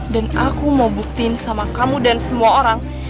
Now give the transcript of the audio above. dan aku mau buktiin sama kamu dan semua orang